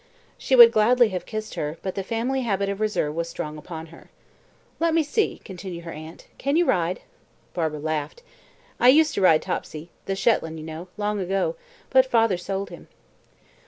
She would gladly have kissed her, but the family habit of reserve was strong upon her. "Let me see," continued her aunt, "can you ride?" Barbara laughed. "I used to ride Topsy the Shetland, you know long ago, but father sold him."